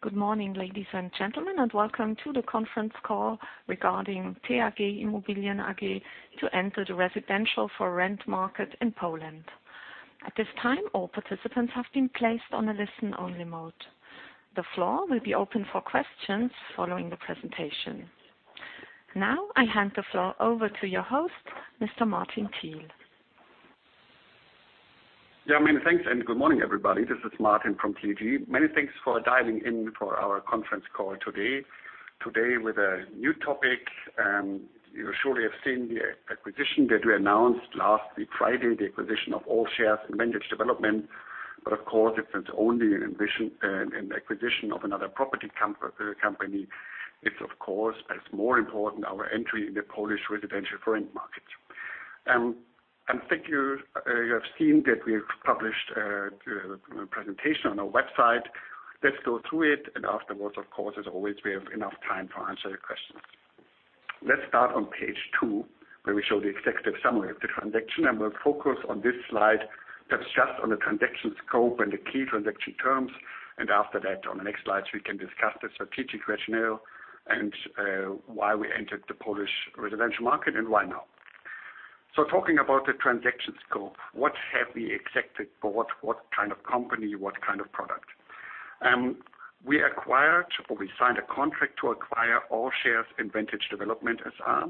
Good morning, ladies and gentlemen, welcome to the conference call regarding TAG Immobilien AG to enter the residential-for-rent market in Poland. At this time, all participants have been placed on a listen-only mode. The floor will be open for questions following the presentation. Now, I hand the floor over to your host, Mr. Martin Thiel. Yeah, many thanks, good morning, everybody. This is Martin from TAG. Many thanks for dialing in for our conference call today. Today with a new topic. You surely have seen the acquisition that we announced last Friday, the acquisition of all shares in Vantage Development. Of course, it's not only an acquisition of another property company. It's of course, what's more important, our entry in the Polish residential rent market. I think you have seen that we have published a presentation on our website. Let's go through it, and afterwards, of course, as always, we have enough time to answer your questions. Let's start on page two, where we show the executive summary of the transaction. We'll focus on this slide that's just on the transaction scope and the key transaction terms. After that, on the next slides, we can discuss the strategic rationale and why we entered the Polish residential market and why now. Talking about the transaction scope, what have we accepted, what kind of company, what kind of product? We acquired, or we signed a contract to acquire all shares in Vantage Development S.A.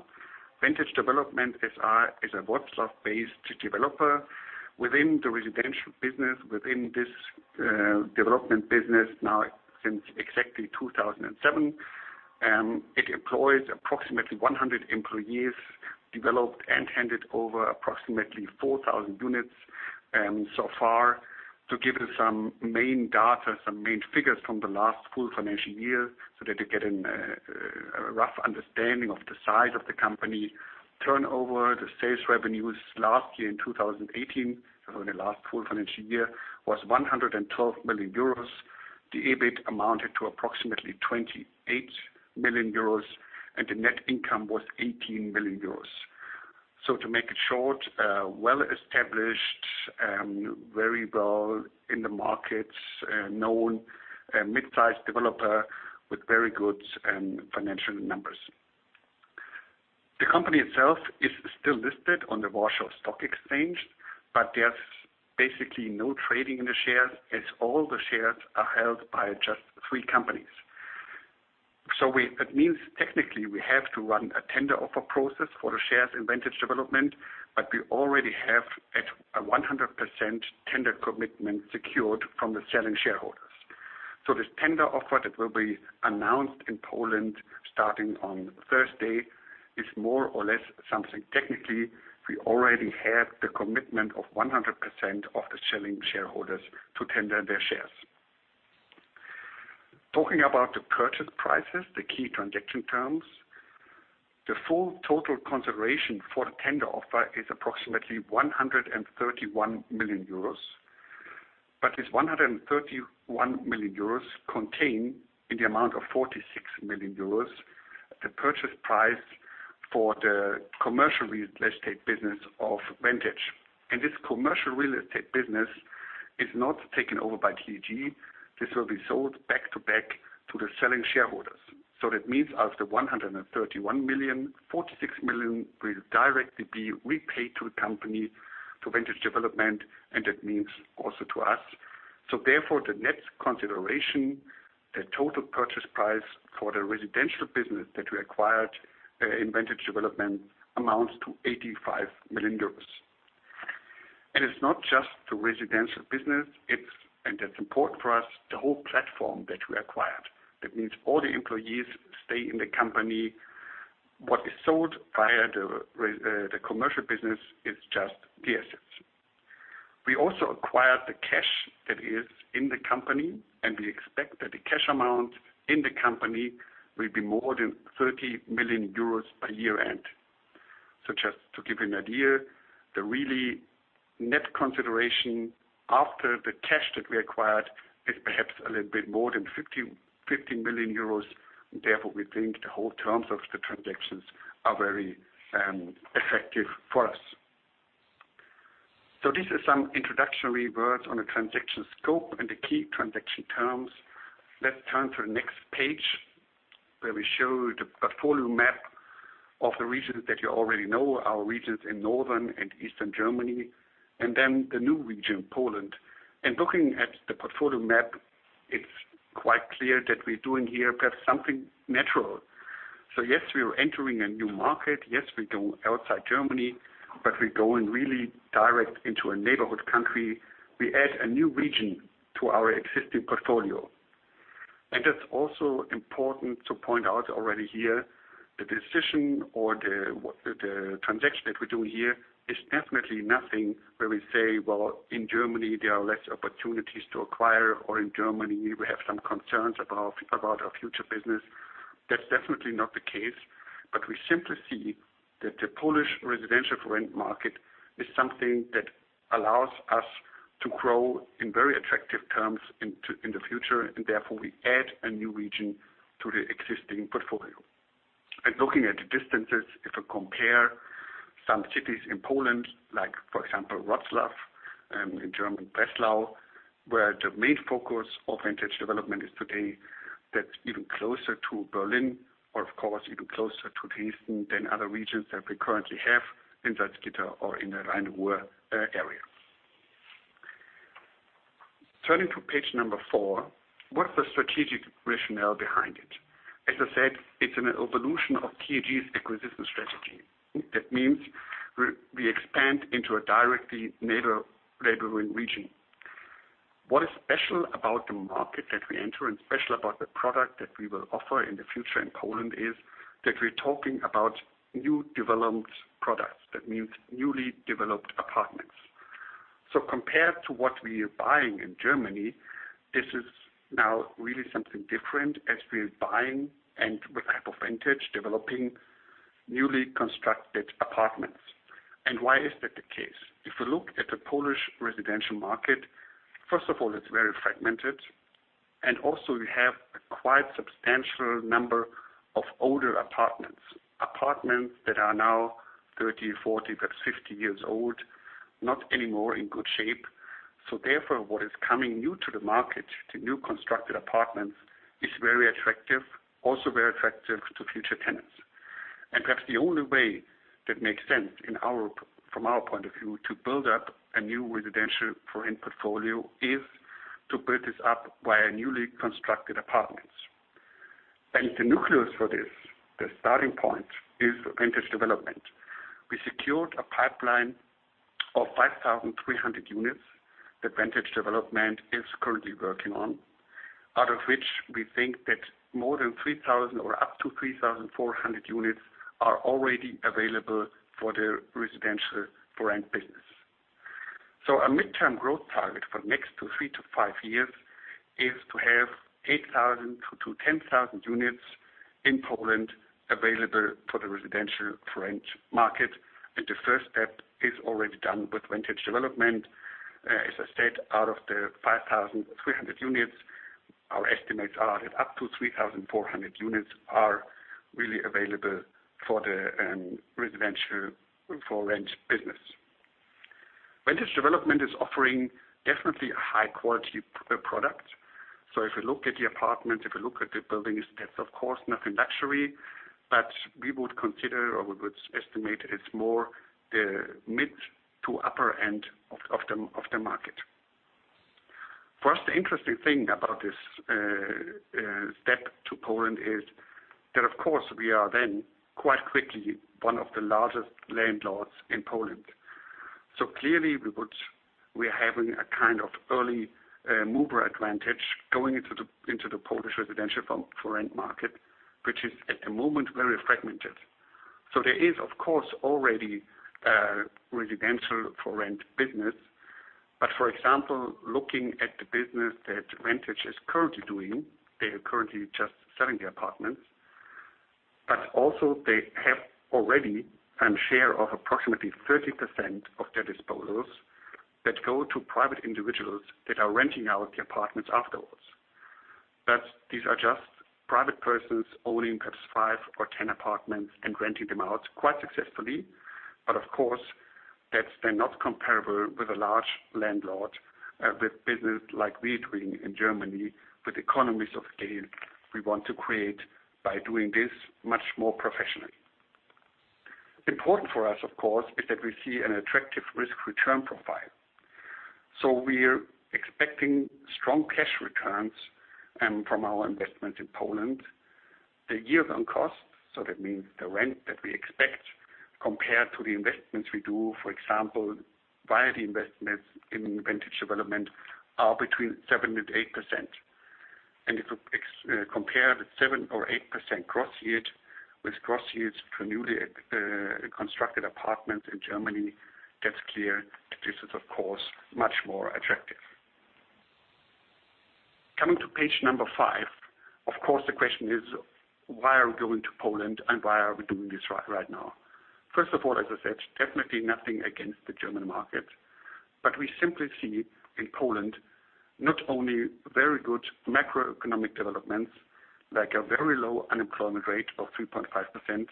Vantage Development S.A. is a Wrocław-based developer within the residential business, within this development business now since exactly 2007. It employs approximately 100 employees, developed and handed over approximately 4,000 units so far. To give you some main data, some main figures from the last full financial year, so that you get a rough understanding of the size of the company. Turnover, the sales revenues last year in 2018, so in the last full financial year, was 112 million euros. The EBIT amounted to approximately 28 million euros, and the net income was 18 million euros. To make it short, a well-established and very well in the market-known mid-size developer with very good financial numbers. The company itself is still listed on the Warsaw Stock Exchange, but there's basically no trading in the shares, as all the shares are held by just three companies. That means technically we have to run a tender offer process for the shares in Vantage Development, but we already have a 100% tender commitment secured from the selling shareholders. This tender offer that will be announced in Poland starting on Thursday is more or less something technically, we already have the commitment of 100% of the selling shareholders to tender their shares. Talking about the purchase prices, the key transaction terms. The full total consideration for the tender offer is approximately 131 million euros. This 131 million euros contain, in the amount of 46 million euros, the purchase price for the commercial real estate business of Vantage. This commercial real estate business is not taken over by TAG. This will be sold back-to-back to the selling shareholders. That means of the 131 million, 46 million will directly be repaid to the company, to Vantage Development, and that means also to us. Therefore, the net consideration, the total purchase price for the residential business that we acquired in Vantage Development amounts to 85 million euros. It's not just the residential business, and that's important for us, the whole platform that we acquired. That means all the employees stay in the company. What is sold via the commercial business is just the assets. We also acquired the cash that is in the company, and we expect that the cash amount in the company will be more than 30 million euros by year-end. Just to give you an idea, the really net consideration after the cash that we acquired is perhaps a little bit more than 50 million euros. Therefore, we think the whole terms of the transactions are very effective for us. This is some introductory words on the transaction scope and the key transaction terms. Let's turn to the next page, where we show the portfolio map of the regions that you already know, our regions in Northern and Eastern Germany, and then the new region, Poland. Looking at the portfolio map, it's quite clear that we're doing here perhaps something natural. Yes, we are entering a new market, yes, we go outside Germany, but we're going really direct into a neighborhood country. We add a new region to our existing portfolio. That's also important to point out already here, the decision or the transaction that we're doing here is definitely nothing where we say, "Well, in Germany, there are less opportunities to acquire," or, "In Germany, we have some concerns about our future business." That's definitely not the case. We simply see that the Polish residential rent market is something that allows us to grow in very attractive terms in the future, and therefore, we add a new region to the existing portfolio. Looking at the distances, if you compare some cities in Poland, like for example, Wrocław, in German Breslau, where the main focus of Vantage Development is today, that's even closer to Berlin, or of course, even closer to Dresden than other regions that we currently have in Salzgitter or in the Rhein-Ruhr area. Turning to page number four, what's the strategic rationale behind it? As I said, it's an evolution of TAG's acquisition strategy. That means we expand into a directly neighboring region. What is special about the market that we enter and special about the product that we will offer in the future in Poland is that we're talking about new developed products. That means newly developed apartments. Compared to what we are buying in Germany, this is now really something different as we're buying and with the help of Vantage, developing newly constructed apartments. Why is that the case? If you look at the Polish residential market, first of all, it's very fragmented, and also you have a quite substantial number of older apartments. Apartments that are now 30, 40, perhaps 50 years old, not anymore in good shape. Therefore, what is coming new to the market, the new constructed apartments, is very attractive, also very attractive to future tenants. Perhaps the only way that makes sense from our point of view to build up a new residential for rent portfolio is to build this up via newly constructed apartments. The nucleus for this, the starting point, is Vantage Development. We secured a pipeline of 5,300 units that Vantage Development is currently working on. Out of which we think that more than 3,000 or up to 3,400 units are already available for the residential for rent business. Our midterm growth target for the next three to five years is to have 8,000 to 10,000 units in Poland available for the residential for rent market, and the first step is already done with Vantage Development. As I said, out of the 5,300 units, our estimates are that up to 3,400 units are really available for the residential for rent business. Vantage Development is offering definitely a high quality product. If you look at the apartment, if you look at the buildings, that's of course nothing luxury, but we would consider or we would estimate it's more the mid to upper end of the market. For us, the interesting thing about this step to Poland is that, of course, we are then quite quickly one of the largest landlords in Poland. Clearly, we are having a kind of early mover advantage going into the Polish residential for rent market, which is at the moment very fragmented. There is, of course, already residential for rent business. For example, looking at the business that Vantage is currently doing, they are currently just selling the apartments. Also they have already a share of approximately 30% of their disposals that go to private individuals that are renting out the apartments afterwards. These are just private persons owning perhaps 5 or 10 apartments and renting them out quite successfully. Of course, that's then not comparable with a large landlord with business like we are doing in Germany with economies of scale we want to create by doing this much more professionally. Important for us, of course, is that we see an attractive risk-return profile. We're expecting strong cash returns from our investment in Poland. The yield on costs, so that means the rent that we expect compared to the investments we do, for example, via the investments in Vantage Development, are between 7% and 8%. If you compare the 7% or 8% gross yields with gross yields to newly constructed apartments in Germany, that's clear that this is of course much more attractive. Coming to page number five, of course, the question is, why are we going to Poland and why are we doing this right now? First of all, as I said, definitely nothing against the German market. We simply see in Poland not only very good macroeconomic developments, like a very low unemployment rate of 3.5%,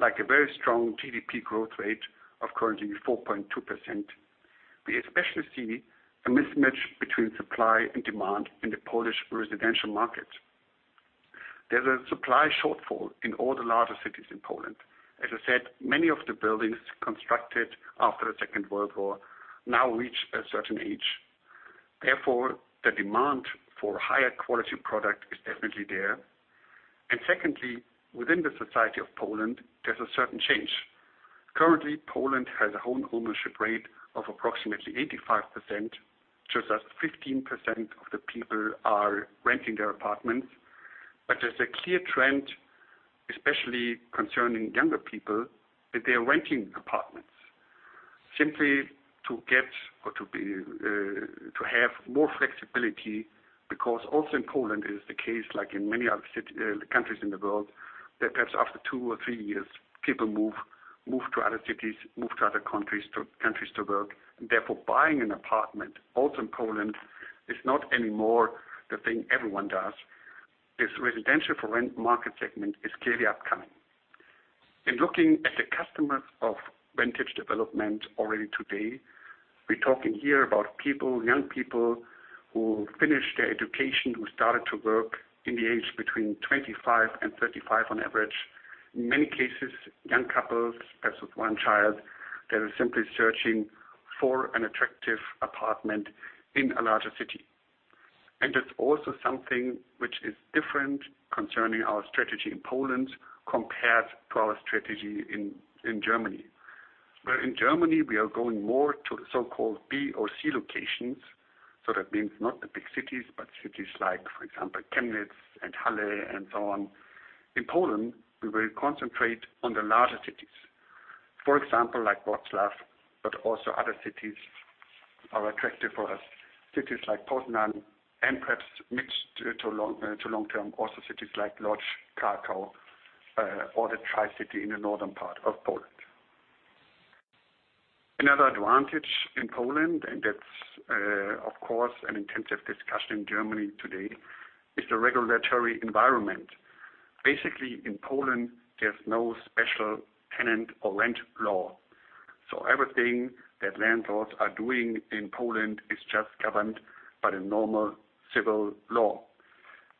like a very strong GDP growth rate of currently 4.2%. We especially see a mismatch between supply and demand in the Polish residential market. There's a supply shortfall in all the larger cities in Poland. As I said, many of the buildings constructed after the Second World War now reach a certain age. Therefore, the demand for higher quality product is definitely there. Secondly, within the society of Poland, there's a certain change. Currently, Poland has a home ownership rate of approximately 85%, which is that 15% of the people are renting their apartments. There's a clear trend, especially concerning younger people, that they are renting apartments simply to get or to have more flexibility. Also in Poland, it is the case, like in many other countries in the world, that perhaps after two or three years, people move to other cities, move to other countries to work. Therefore buying an apartment, also in Poland, is not anymore the thing everyone does. This residential-for-rent market segment is clearly upcoming. Looking at the customers of Vantage Development already today, we're talking here about young people who finish their education, who started to work in the age between 25 and 35 on average. In many cases, young couples, perhaps with one child, that are simply searching for an attractive apartment in a larger city. That's also something which is different concerning our strategy in Poland compared to our strategy in Germany. Where in Germany, we are going more to the so-called B or C locations. That means not the big cities, but cities like, for example, Chemnitz and Halle and so on. In Poland, we will concentrate on the larger cities. For example, like Wrocław, but also other cities are attractive for us. Cities like Poznań and perhaps mixed to long-term, also cities like Łódź, Kraków, or the Tricity in the northern part of Poland. Another advantage in Poland, that's, of course, an intensive discussion in Germany today, is the regulatory environment. Basically, in Poland, there's no special tenant or rent law. Everything that landlords are doing in Poland is just governed by the normal civil law.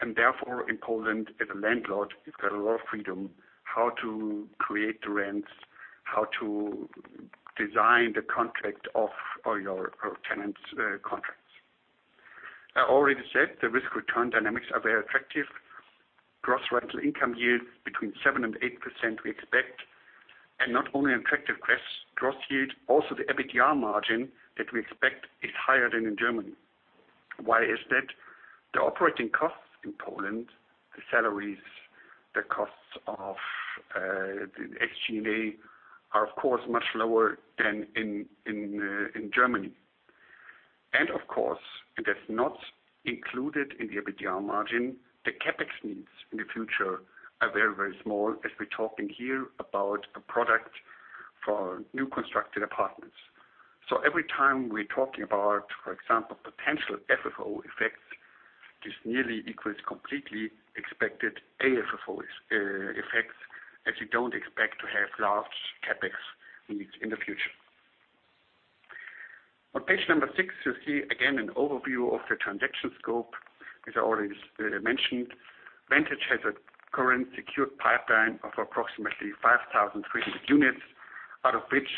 Therefore, in Poland, as a landlord, you've got a lot of freedom how to create the rents, how to design the contract of all your tenants' contracts. I already said the risk-return dynamics are very attractive. Gross rental income yield between 7% and 8% we expect. Not only an attractive gross yield, also the EBITDA margin that we expect is higher than in Germany. Why is that? The operating costs in Poland, the salaries, the costs of the SG&A are of course much lower than in Germany. Of course, and that's not included in the EBITDA margin, the CapEx needs in the future are very, very small as we're talking here about a product for new constructed apartments. Every time we're talking about, for example, potential FFO effects, this nearly equals completely expected AFFO effects as you don't expect to have large CapEx needs in the future. On page number six, you see again an overview of the transaction scope, as I already mentioned. Vantage has a current secured pipeline of approximately 5,300 units, out of which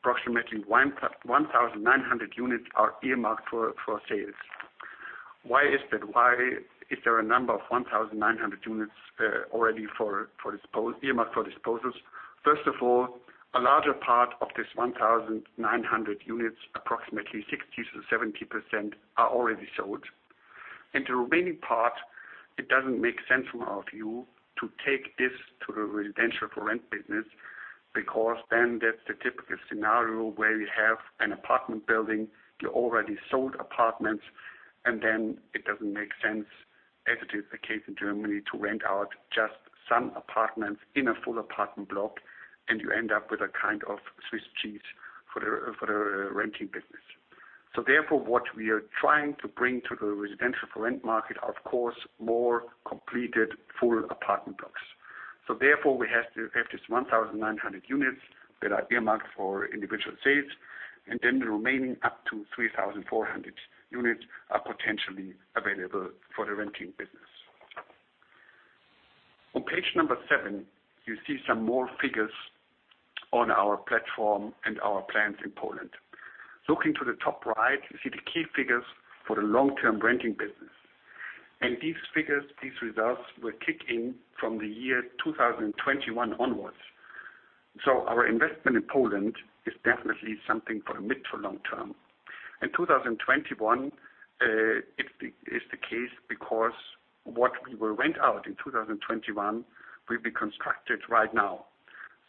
approximately 1,900 units are earmarked for sales. Why is that? Why is there a number of 1,900 units already earmarked for disposals? First of all, a larger part of this 1,900 units, approximately 60%-70%, are already sold. The remaining part, it doesn't make sense from our view to take this to the residential-for-rent business because then that's the typical scenario where you have an apartment building, you already sold apartments, and then it doesn't make sense, as it is the case in Germany, to rent out just some apartments in a full apartment block, and you end up with a kind of Swiss cheese for the renting business. Therefore, what we are trying to bring to the residential-for-rent market, of course, more completed full apartment blocks. Therefore, we have to have this 1,900 units that are earmarked for individual sales, and then the remaining up to 3,400 units are potentially available for the renting business. On page number seven, you see some more figures on our platform and our plans in Poland. Looking to the top right, you see the key figures for the long-term renting business. These figures, these results, will kick in from the year 2021 onwards. Our investment in Poland is definitely something for the mid to long term. In 2021, it is the case because what we will rent out in 2021 will be constructed right now.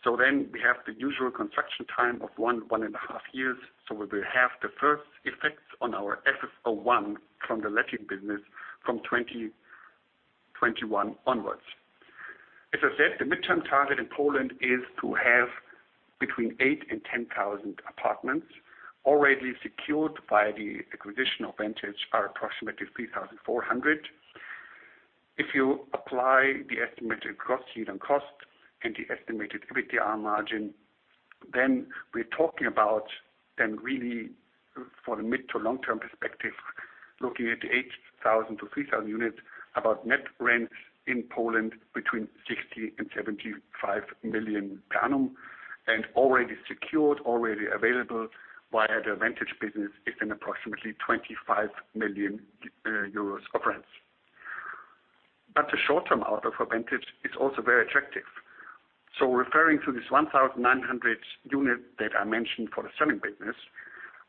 Then we have the usual construction time of one and a half years. We will have the first effects on our FFO 1 from the letting business from 2021 onwards. I said, the midterm target in Poland is to have between 8,000 and 10,000 apartments. Already secured by the acquisition of Vantage are approximately 3,400. If you apply the estimated gross yield on cost and the estimated EBITDA margin, we're talking about really for the mid to long term perspective, looking at the 8,000 to 10,000 units, about net rents in Poland between 60 million and 75 million per annum. Already secured, already available via the Vantage business is an approximately 25 million euros of rents. The short term outlook for Vantage is also very attractive. Referring to this 1,900 unit that I mentioned for the selling business,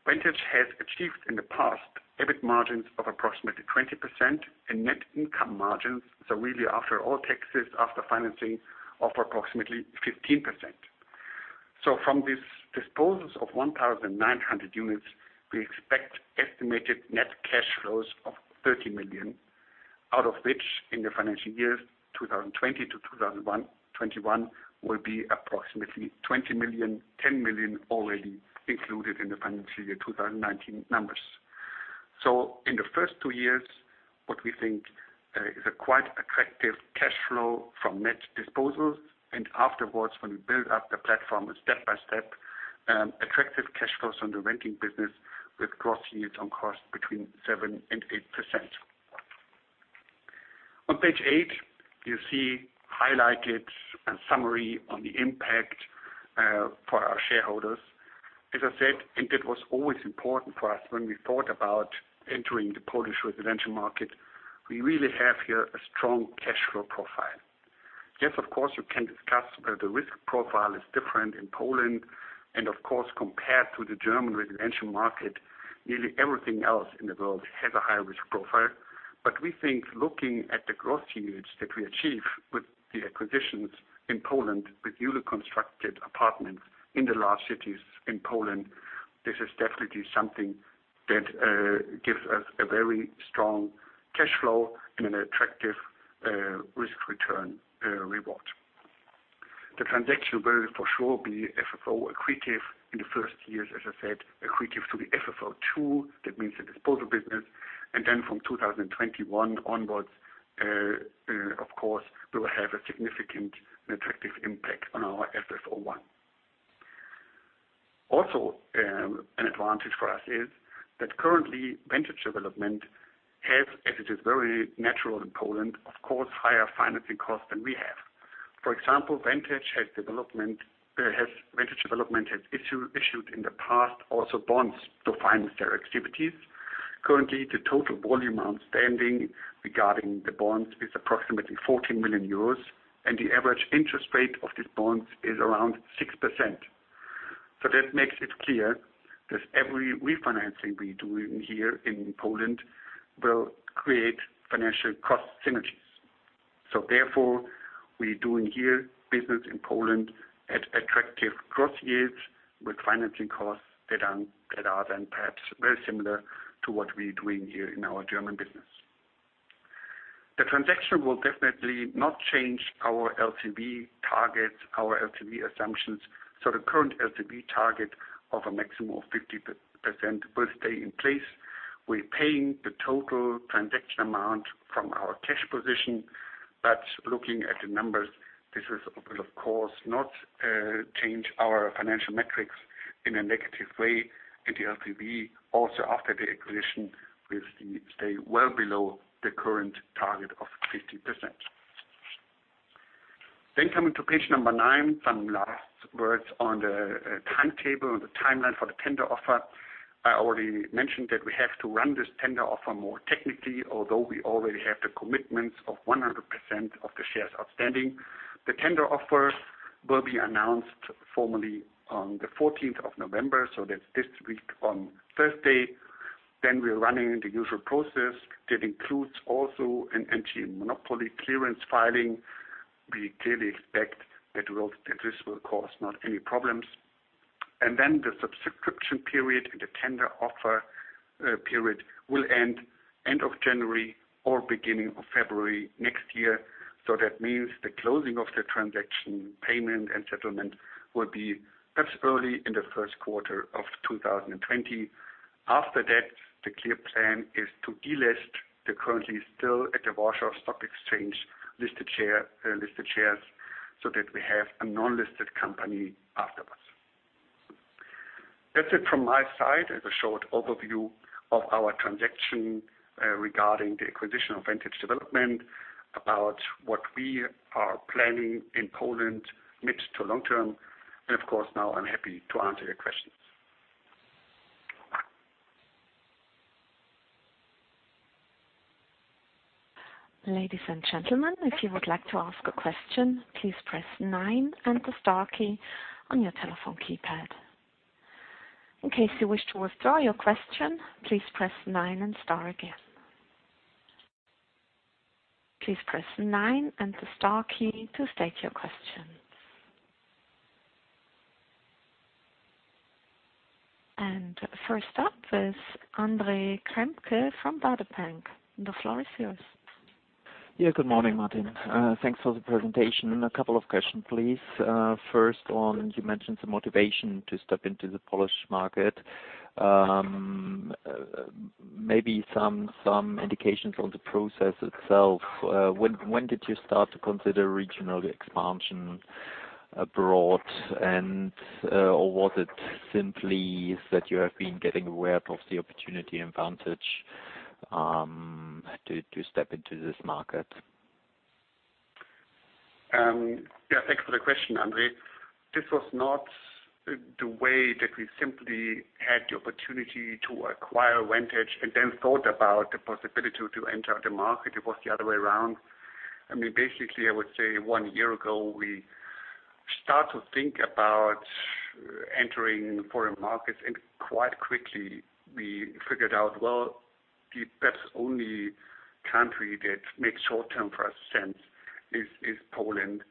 Vantage has achieved in the past EBIT margins of approximately 20% and net income margins, so really after all taxes, after financing, of approximately 15%. From these disposals of 1,900 units, we expect estimated net cash flows of 30 million. Out of which, in the financial years 2020 to 2021, will be approximately 20 million, 10 million already included in the financial year 2019 numbers. In the first two years, what we think is a quite attractive cash flow from net disposals, and afterwards when we build up the platform step by step, attractive cash flows on the renting business with gross yield on cost between 7% and 8%. On page eight, you see highlighted a summary on the impact for our shareholders. As I said, and it was always important for us when we thought about entering the Polish residential market, we really have here a strong cash flow profile. Yes, of course, you can discuss where the risk profile is different in Poland, and of course, compared to the German residential market, nearly everything else in the world has a high-risk profile. We think looking at the growth units that we achieve with the acquisitions in Poland, with newly constructed apartments in the large cities in Poland, this is definitely something that gives us a very strong cash flow and an attractive risk-return reward. The transaction will for sure be FFO accretive in the first years, as I said, accretive to the FFO 2. That means the disposal business. From 2021 onwards, of course, we will have a significant and attractive impact on our FFO 1. An advantage for us is that currently Vantage Development has, as it is very natural in Poland, of course, higher financing costs than we have. For example, Vantage Development has issued in the past also bonds to finance their activities. Currently, the total volume outstanding regarding the bonds is approximately 14 million euros, and the average interest rate of these bonds is around 6%. That makes it clear that every refinancing we do in here in Poland will create financial cost synergies. Therefore, we're doing here business in Poland at attractive gross yields with financing costs that are then perhaps very similar to what we are doing here in our German business. The transaction will definitely not change our LTV targets, our LTV assumptions. The current LTV target of a maximum of 50% will stay in place. We're paying the total transaction amount from our cash position. Looking at the numbers, this will of course not change our financial metrics in a negative way, and the LTV also after the acquisition will stay well below the current target of 50%. Coming to page number nine, some last words on the timetable and the timeline for the tender offer. I already mentioned that we have to run this tender offer more technically, although we already have the commitments of 100% of the shares outstanding. The tender offer will be announced formally on the 14th of November, so that's this week on Thursday. We're running the usual process. That includes also an anti-monopoly clearance filing. We clearly expect that this will cause not any problems. The subscription period and the tender offer period will end end of January or beginning of February next year. That means the closing of the transaction payment and settlement will be perhaps early in the first quarter of 2020. After that, the clear plan is to delist the currently still at the Warsaw Stock Exchange listed shares, so that we have a non-listed company afterwards. That's it from my side as a short overview of our transaction regarding the acquisition of Vantage Development, about what we are planning in Poland mid to long term. Of course, now I'm happy to answer your questions. Ladies and gentlemen, if you would like to ask a question, please press nine and the star key on your telephone keypad. In case you wish to withdraw your question, please press nine and star again. Please press nine and the star key to state your question. First up is Andre Remke from Baader Bank. The floor is yours. Yeah. Good morning, Martin. Thanks for the presentation. A couple of questions, please. First one, you mentioned the motivation to step into the Polish market. Maybe some indications on the process itself. When did you start to consider regional expansion abroad? Or was it simply that you have been getting aware of the opportunity in Vantage, to step into this market? Yeah. Thanks for the question, Andre. This was not the way that we simply had the opportunity to acquire Vantage and then thought about the possibility to enter the market. It was the other way around. Basically, I would say one year ago, we start to think about entering foreign markets, quite quickly we figured out, well, the perhaps only country that makes short-term for us sense is Poland.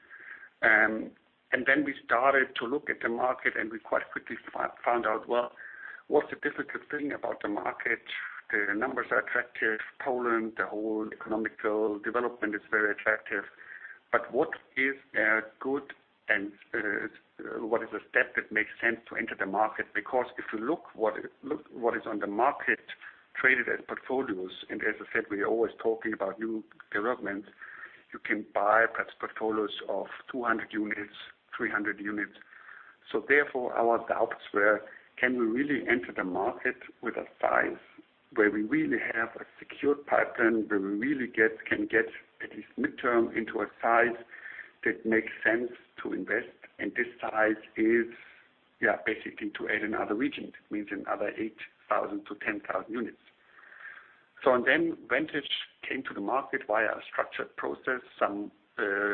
We started to look at the market, we quite quickly found out, well, what's the difficult thing about the market? The numbers are attractive. Poland, the whole economical development is very attractive. What is good, what is a step that makes sense to enter the market? If you look what is on the market traded as portfolios, and as I said, we are always talking about new developments, you can buy perhaps portfolios of 200 units, 300 units. Therefore our doubts were, can we really enter the market with a size where we really have a secure pipeline, where we really can get at least midterm into a size that makes sense to invest? This size is basically to add another region. That means another 8,000 to 10,000 units. Vantage came to the market via a structured process some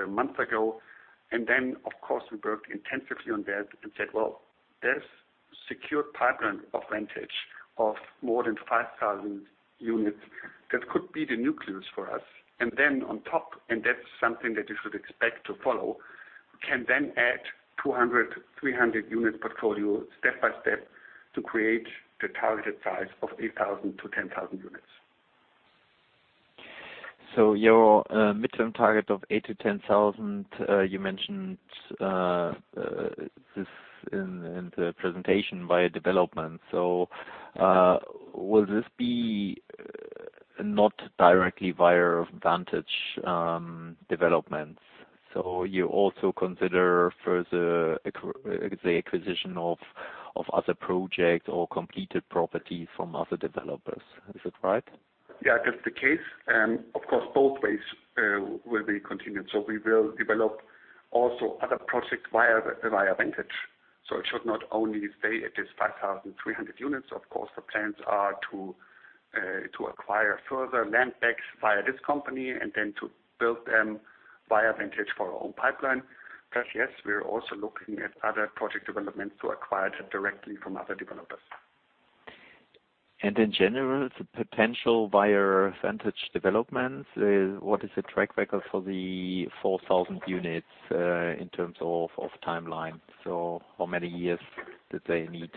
months ago, and then of course we worked intensively on that and said, well, there's secured pipeline of Vantage of more than 5,000 units. That could be the nucleus for us. On top, that's something that you should expect to follow, can then add 200, 300-unit portfolio step by step to create the targeted size of 8,000-10,000 units. Your midterm target of 8,000 to 10,000, you mentioned this in the presentation via development. Will this be not directly via Vantage Development? You also consider further the acquisition of other projects or completed properties from other developers. Is that right? Yeah, that's the case. Of course, both ways will be continued. We will develop also other projects via Vantage. It should not only stay at this 5,300 units. Of course, the plans are to acquire further land banks via this company and then to build them via Vantage for our own pipeline. Yes, we're also looking at other project developments to acquire directly from other developers. In general, the potential via Vantage Development, what is the track record for the 4,000 units, in terms of timeline? How many years did they need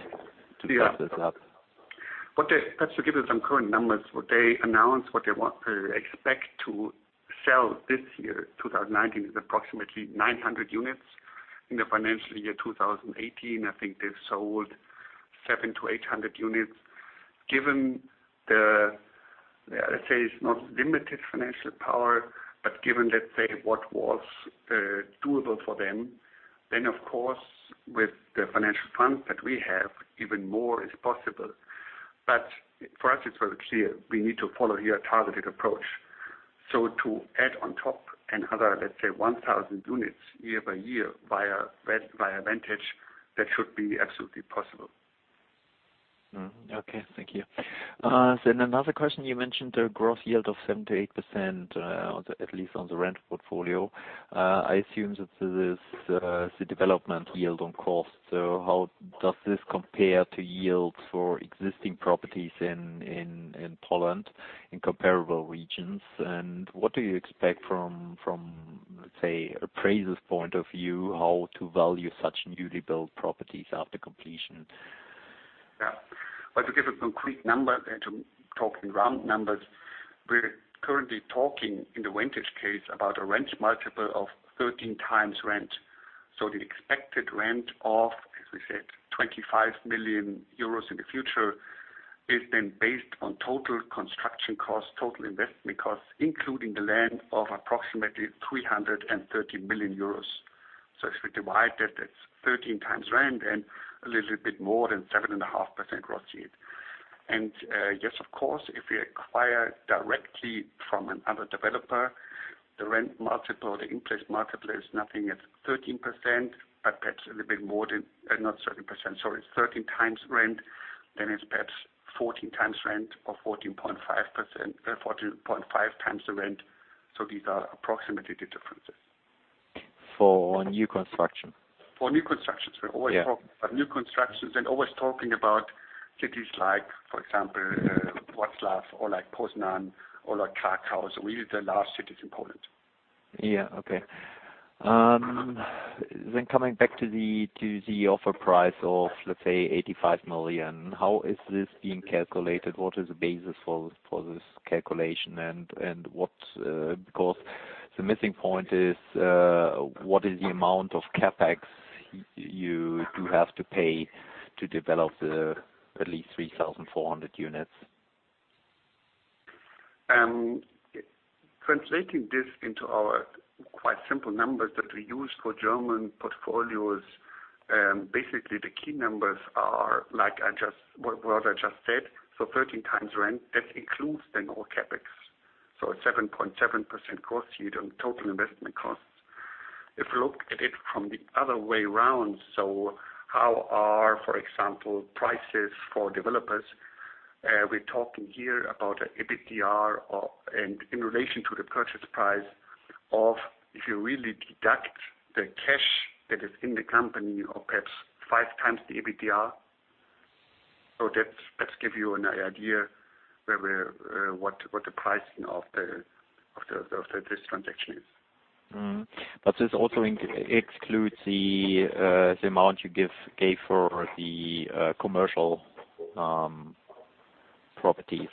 to build this up? Perhaps to give you some current numbers. What they announce, what they expect to sell this year, 2019, is approximately 900 units. In the financial year 2018, I think they've sold 700 to 800 units. Given the, let's say, it's not limited financial power, but given, let's say, what was doable for them, of course, with the financial funds that we have, even more is possible. For us, it's very clear we need to follow here a targeted approach. To add on top another, let's say, 1,000 units year by year via Vantage, that should be absolutely possible. Okay. Thank you. Another question. You mentioned a growth yield of 7%, 8%, at least on the rent portfolio. I assume that this is the development yield on cost. How does this compare to yields for existing properties in Poland in comparable regions? What do you expect from, let's say, appraiser's point of view, how to value such newly built properties after completion? Yeah. To give a concrete number and to talk in round numbers, we're currently talking in the Vantage case about a rent multiple of 13x rent. The expected rent of, as we said, 25 million euros in the future is then based on total construction cost, total investment cost, including the land of approximately 330 million euros. If we divide that's 13x rent and a little bit more than 7.5% growth yield. Yes, of course, if we acquire directly from another developer, the rent multiple, the in-place multiple is nothing at 13%, but perhaps a little bit more than Not 13%, sorry, 13x rent, then it's perhaps 14x rent or 14.5x the rent. These are approximately the differences. For new construction. For new constructions. We're always talking about new constructions and always talking about cities like, for example, Wrocław or like Poznań or like Kraków. Really the large cities in Poland. Yeah. Okay. Coming back to the offer price of, let's say, 85 million. How is this being calculated? What is the basis for this calculation, and Because the missing point is, what is the amount of CapEx you do have to pay to develop the at least 3,400 units? Translating this into our quite simple numbers that we use for German portfolios, basically the key numbers are like what I just said. 13x rent. That includes then all CapEx. 7.7% cost yield on total investment costs. If you look at it from the other way around, how are, for example, prices for developers? We're talking here about a EBITDA, and in relation to the purchase price of, if you really deduct the cash that is in the company or perhaps 5x the EBITDA. So that gives you an idea what the pricing of this transaction is. Mm-hmm. This also excludes the amount you gave for the commercial properties.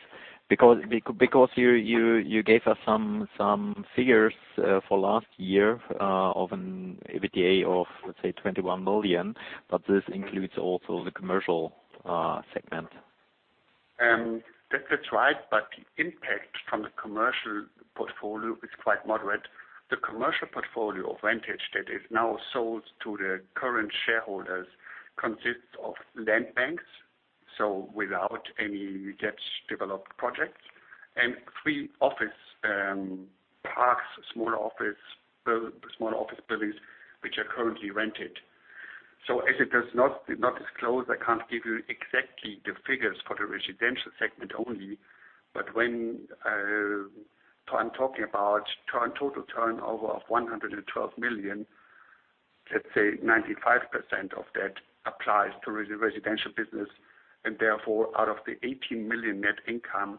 You gave us some figures for last year of an EBITDA of, let's say, 21 million, but this includes also the commercial segment. That's right. The impact from the commercial portfolio is quite moderate. The commercial portfolio of Vantage that is now sold to the current shareholders consists of land banks, so without any debt, developed projects, and three office parks, small office buildings, which are currently rented. As it does not disclose, I can't give you exactly the figures for the residential segment only. When I'm talking about total turnover of 112 million, let's say 95% of that applies to the residential business, and therefore out of the 18 million net income,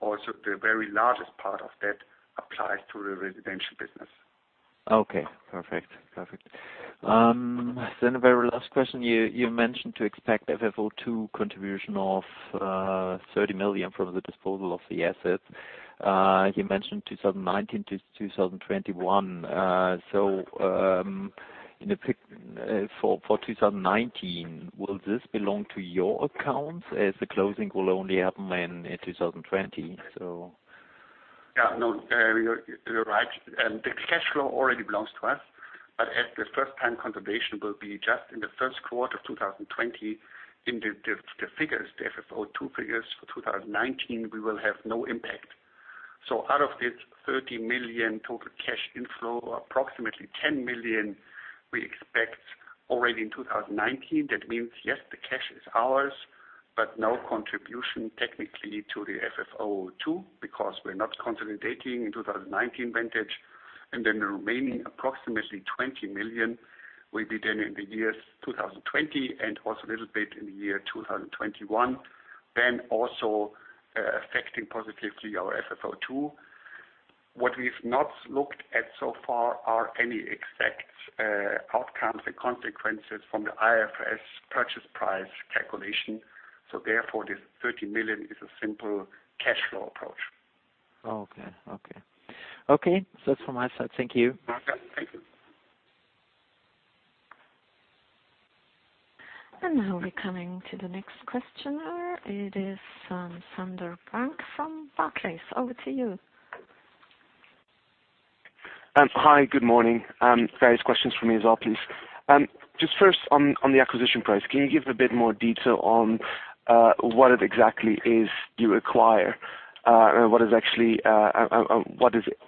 also the very largest part of that applies to the residential business. Okay, perfect. The very last question, you mentioned to expect FFO 2 contribution of 30 million from the disposal of the assets. You mentioned 2019 to 2021. For 2019, will this belong to your accounts as the closing will only happen in 2020? You are right. The cash flow already belongs to us, but as the first-time consolidation will be just in the first quarter of 2020 in the FFO 2 figures for 2019, we will have no impact. Out of this 30 million total cash inflow, approximately 10 million we expect already in 2019. That means, yes, the cash is ours, but no contribution technically to the FFO 2 because we are not consolidating in 2019 Vantage. The remaining approximately 20 million will be then in the years 2020 and also a little bit in the year 2021, then also affecting positively our FFO 2. What we have not looked at so far are any exact outcomes and consequences from the IFRS purchase price calculation. Therefore, this 30 million is a simple cash flow approach. Okay. That's from my side. Thank you. Welcome. Thank you. Now we're coming to the next questioner. It is Sander Bunck from Barclays. Over to you. Hi, good morning. Various questions from me as well, please. Just first on the acquisition price, can you give a bit more detail on what it exactly is you acquire? What is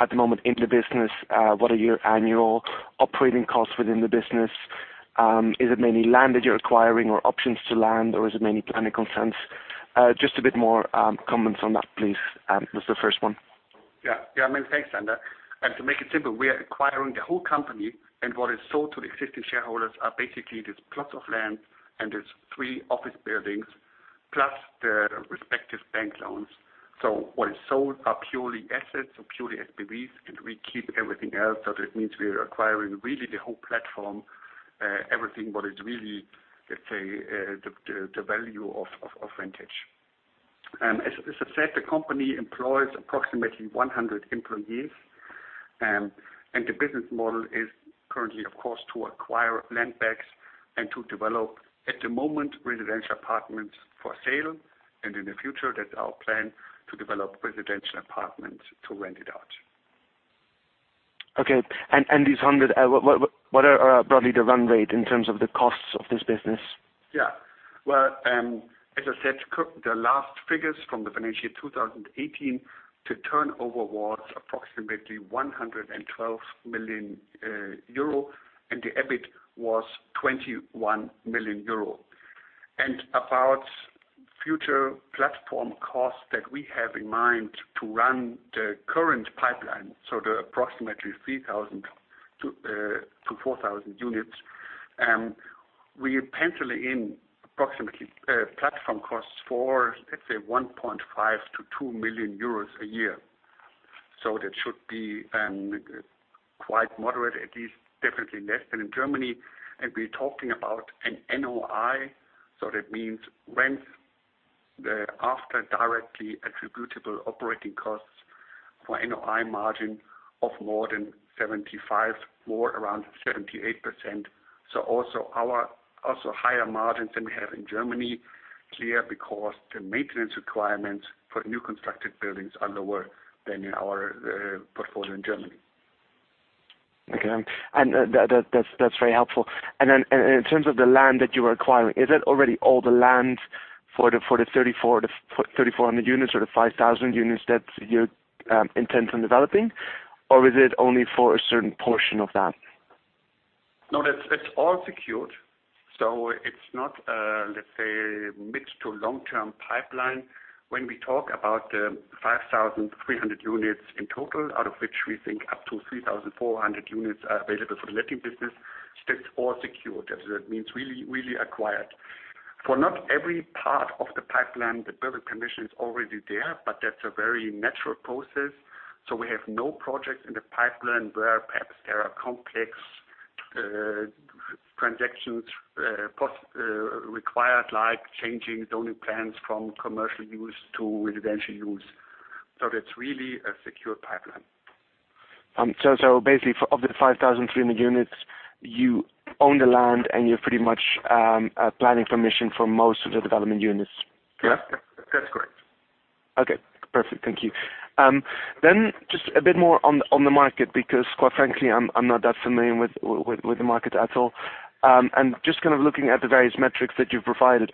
at the moment in the business, what are your annual operating costs within the business? Is it mainly land that you're acquiring or options to land, or is it mainly planning consents? Just a bit more comments on that, please. That's the first one. Thanks, Sander. To make it simple, we are acquiring the whole company, what is sold to the existing shareholders are basically these plots of land and these three office buildings, plus the respective bank loans. What is sold are purely assets or purely SPVs, we keep everything else. That means we are acquiring really the whole platform, everything what is really, let's say, the value of Vantage. As I said, the company employs approximately 100 employees. The business model is currently, of course, to acquire land banks and to develop, at the moment, residential apartments for sale. In the future, that's our plan, to develop residential apartments to rent it out. Okay. These 100, what are broadly the run rate in terms of the costs of this business? Well, as I said, the last figures from the financial year 2018, the turnover was approximately 112 million euro, the EBIT was 21 million euro. About future platform costs that we have in mind to run the current pipeline, so the approximately 3,000 to 4,000 units, we pencil in approximately platform costs for, let's say, 1.5 million-2 million euros a year. That should be quite moderate, at least definitely less than in Germany. We're talking about an NOI, so that means rent after directly attributable operating costs for NOI margin of more than 75%, more around 78%. Also higher margins than we have in Germany. Clear because the maintenance requirements for new constructed buildings are lower than in our portfolio in Germany. Okay. That's very helpful. In terms of the land that you are acquiring, is it already all the land for the 3,400 units or the 5,000 units that you intend on developing? Or is it only for a certain portion of that? No, that's all secured. It's not, let's say, mid to long-term pipeline. When we talk about the 5,300 units in total, out of which we think up to 3,400 units are available for the letting business, that's all secured. That means really acquired. For not every part of the pipeline, the building permission is already there, but that's a very natural process. We have no projects in the pipeline where perhaps there are complex transactions required, like changing zoning plans from commercial use to residential use. That's really a secure pipeline. Basically, of the 5,300 units, you own the land and you have pretty much a planning permission for most of the development units. Yeah. That's correct. Okay, perfect. Thank you. Just a bit more on the market because quite frankly, I'm not that familiar with the market at all. Just kind of looking at the various metrics that you've provided,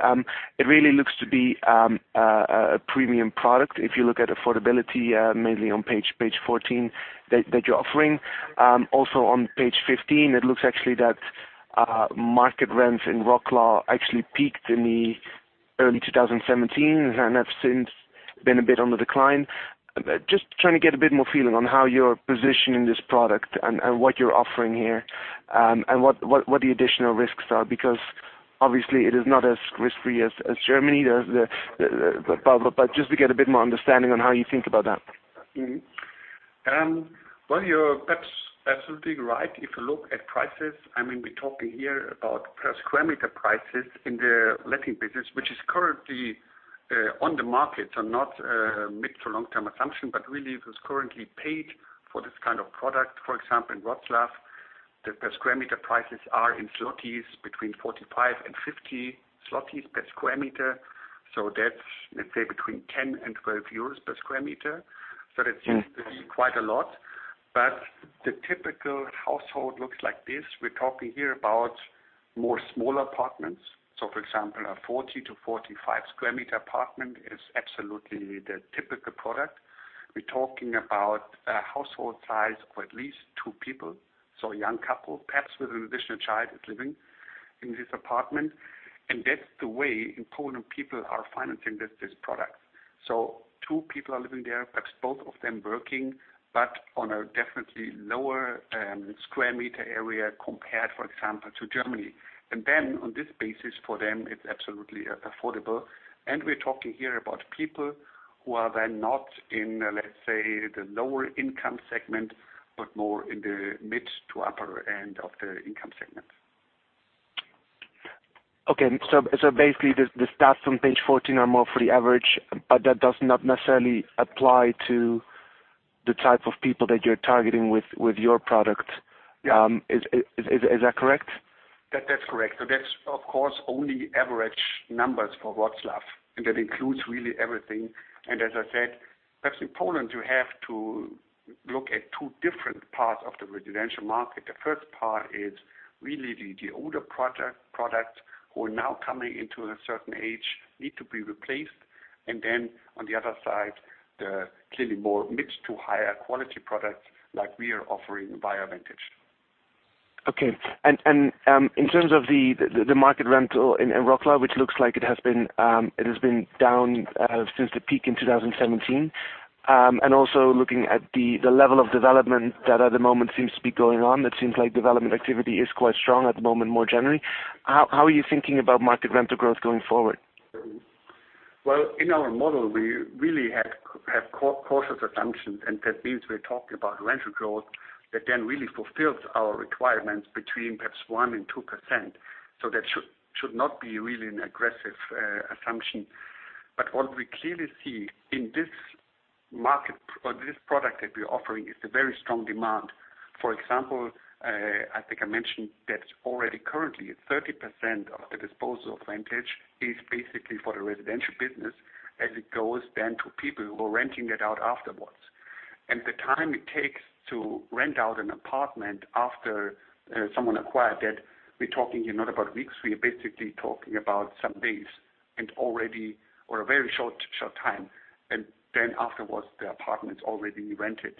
it really looks to be a premium product. If you look at affordability, mainly on page 14, that you're offering. Also on page 15, it looks actually that market rents in Wrocław actually peaked in the early 2017 and have since been a bit on the decline. Just trying to get a bit more feeling on how you're positioning this product and what you're offering here. What the additional risks are, because obviously it is not as risk-free as Germany. Just to get a bit more understanding on how you think about that. You're perhaps absolutely right. If you look at prices, we're talking here about per square meter prices in the letting business, which is currently on the market, not mid to long-term assumption, but really it is currently paid for this kind of product. For example, in Wrocław, the per square meter prices are between 45 and 50 zlotys per square meter. That's, let's say, between 10 and 12 euros per square meter. That seems to be quite a lot. The typical household looks like this. We're talking here about more smaller apartments. For example, a 40 to 45 square meter apartment is absolutely the typical product. We're talking about a household size of at least two people. A young couple, perhaps with an additional child, is living in this apartment. That's the way important people are financing this product. Two people are living there, perhaps both of them working, but on a definitely lower square meter area compared, for example, to Germany. On this basis, for them, it's absolutely affordable, and we're talking here about people who are then not in, let's say, the lower income segment, but more in the mid to upper end of the income segment. Okay. Basically, the stats on page 14 are more for the average, but that does not necessarily apply to the type of people that you're targeting with your product. Yeah. Is that correct? That's correct. That's, of course, only average numbers for Wroclaw, and that includes really everything. As I said, perhaps in Poland, you have to look at two different parts of the residential market. The first part is really the older product who are now coming into a certain age need to be replaced. On the other side, the clearly more mid to higher quality products like we are offering via Vantage. Okay. In terms of the market rental in Wrocław, which looks like it has been down since the peak in 2017. Also looking at the level of development that at the moment seems to be going on, it seems like development activity is quite strong at the moment, more generally. How are you thinking about market rental growth going forward? Well, in our model, we really have cautious assumptions, that means we're talking about rental growth that really fulfills our requirements between perhaps 1% and 2%. That should not be really an aggressive assumption. What we clearly see in this product that we're offering is the very strong demand. For example, I think I mentioned that already currently 30% of the disposal of Vantage is basically for the residential business as it goes to people who are renting it out afterwards. The time it takes to rent out an apartment after someone acquired that, we're talking here not about weeks, we are basically talking about some days. Already, or a very short time, afterwards the apartment's already rented.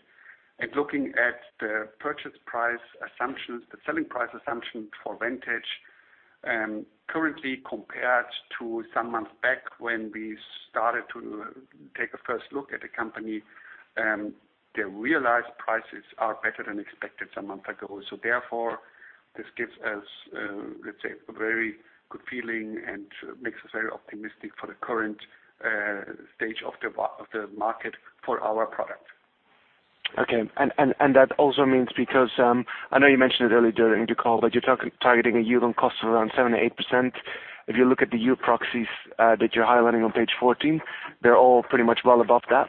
Looking at the purchase price assumptions, the selling price assumption for Vantage, currently compared to some months back when we started to take a first look at the company, the realized prices are better than expected some months ago. Therefore, this gives us, let's say, a very good feeling and makes us very optimistic for the current stage of the market for our product. Okay. That also means because I know you mentioned it earlier during the call, that you're targeting a yield on cost of around 7%-8%. If you look at the yield proxies that you're highlighting on page 14, they're all pretty much well above that.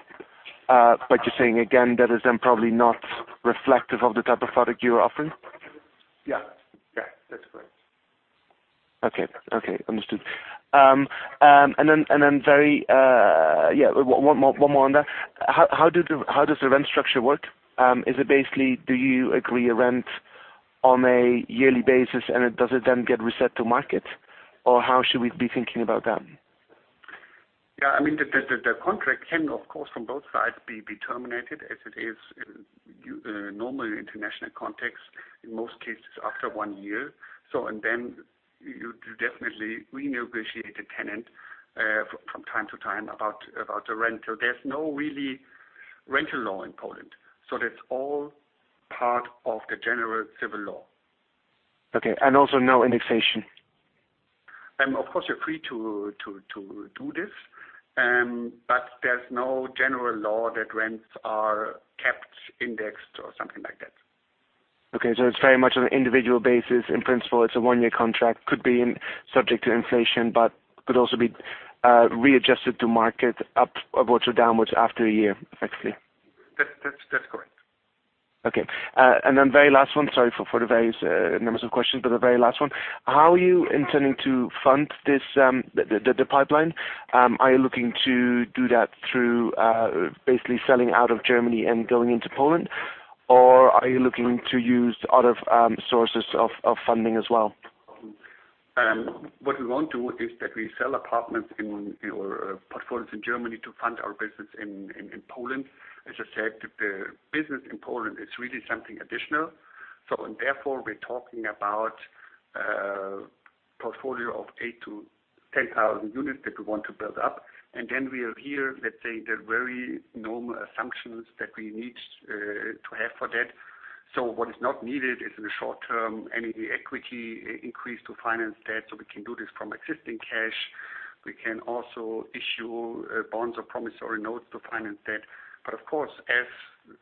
You're saying again, that is then probably not reflective of the type of product you are offering? Yeah. That's correct. Okay. Understood. One more on that. How does the rent structure work? Is it basically, do you agree a rent on a yearly basis, and does it then get reset to market? How should we be thinking about that? Yeah, I mean, the contract can, of course, from both sides be terminated as it is in normal international context, in most cases after one year. You definitely renegotiate the tenant from time to time about the rental. There's no really rental law in Poland, so that's all part of the general civil law. Okay, also no indexation? Of course, you're free to do this, but there's no general law that rents are capped, indexed, or something like that. Okay. It's very much on an individual basis. In principle, it's a one-year contract. Could be subject to inflation, but could also be readjusted to market upwards or downwards after a year, effectively. That's correct. Okay. Then very last one. Sorry for the various numbers of questions, but the very last one. How are you intending to fund the pipeline? Are you looking to do that through basically selling out of Germany and going into Poland? Are you looking to use other sources of funding as well? What we want to do is that we sell apartments in our portfolios in Germany to fund our business in Poland. As I said, the business in Poland is really something additional. Therefore, we're talking about a portfolio of 8,000-10,000 units that we want to build up. Then we adhere, let's say, the very normal assumptions that we need to have for that. What is not needed is in the short term, any equity increase to finance debt. We can do this from existing cash. We can also issue bonds or promissory notes to finance debt. Of course, as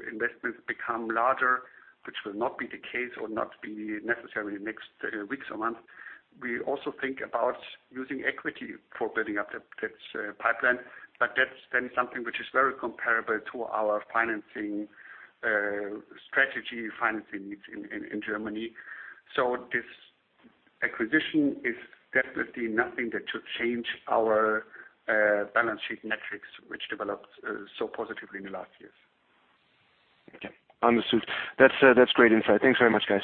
investments become larger, which will not be the case or not be necessary in the next weeks or months, we also think about using equity for building up that pipeline. That's then something which is very comparable to our financing strategy, financing needs in Germany. This acquisition is definitely nothing that should change our balance sheet metrics, which developed so positively in the last years. Okay. Understood. That's great insight. Thanks very much, guys.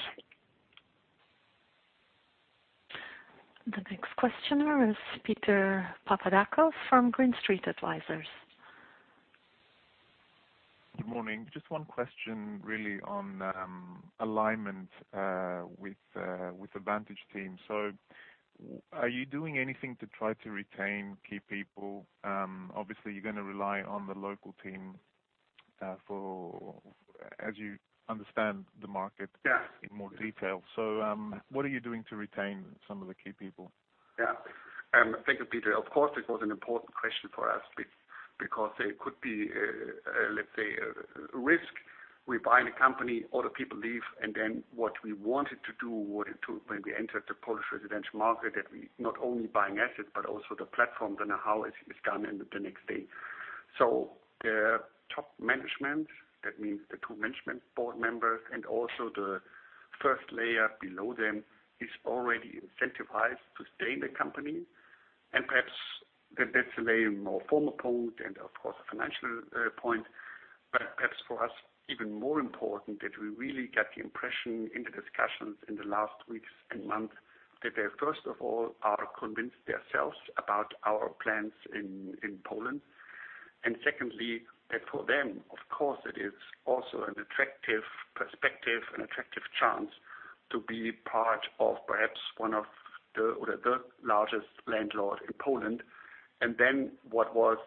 The next questioner is Peter Papadakos from Green Street Advisors. Good morning. Just one question, really, on alignment with the Vantage team. Are you doing anything to try to retain key people? Obviously, you're going to rely on the local team as you understand the market. Yeah In more detail, what are you doing to retain some of the key people? Yeah. Thank you, Peter. Of course, it was an important question for us because there could be, let's say, a risk. We buy the company, all the people leave. What we wanted to do when we entered the Polish residential market, that we not only buying assets, but also the platform. The know-how is gone in the next day. The top management, that means the two management board members and also the first layer below them, is already incentivized to stay in the company. Perhaps that's a more formal point and, of course, a financial point, but perhaps for us, even more important that we really get the impression in the discussions in the last weeks and months that they, first of all, are convinced themselves about our plans in Poland. Secondly, that for them, of course, it is also an attractive perspective and attractive chance to be part of perhaps one of the, or the largest landlord in Poland. Then what was